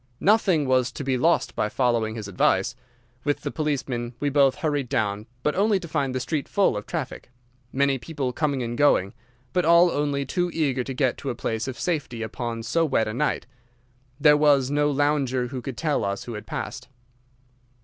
"Nothing was to be lost by following his advice. With the policeman we both hurried down, but only to find the street full of traffic, many people coming and going, but all only too eager to get to a place of safety upon so wet a night. There was no lounger who could tell us who had passed.